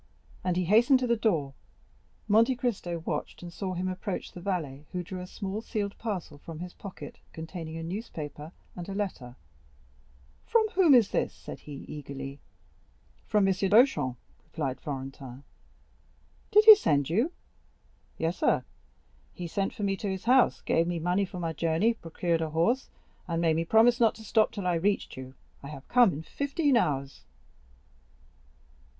And he hastened to the door. Monte Cristo watched and saw him approach the valet, who drew a small sealed parcel from his pocket, containing a newspaper and a letter. "From whom is this?" said he eagerly. "From M. Beauchamp," replied Florentin. "Did he send you?" "Yes, sir; he sent for me to his house, gave me money for my journey, procured a horse, and made me promise not to stop till I had reached you, I have come in fifteen hours."